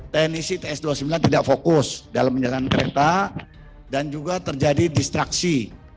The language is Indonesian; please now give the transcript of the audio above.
teknisi ts dua puluh sembilan tidak fokus dalam menjalankan kereta dan juga terjadi distraksi